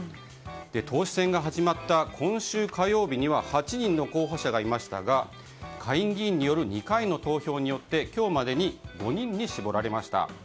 党首選が始まった今週火曜日には８人の候補者がいましたが下院議員による２回の投票によって今日までに５人に絞られました。